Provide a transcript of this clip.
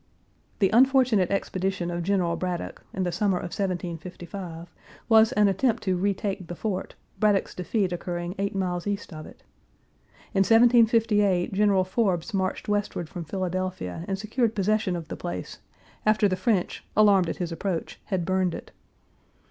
The unfortunate expedition of General Braddock, in the summer of 1755, was an attempt to retake the fort, Braddock's defeat occurring eight miles east of it. In 1758 General Forbes marched westward from Philadelphia and secured possession of the place, after the French, alarmed at his approach, had burned it.